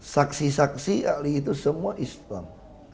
saksi saksi ahli itu semua islam